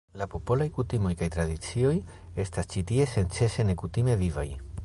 La popolaj kutimoj kaj tradicioj estas ĉi tie senĉese nekutime vivaj.